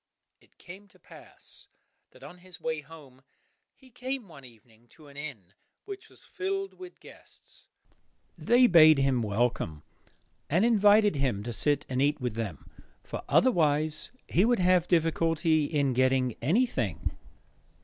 It came to pass that on his way home, he came one evening to an inn which was filled with guests. They bade him welcome, and invited him to sit and eat with them, for otherwise he would have difficulty in getting anything.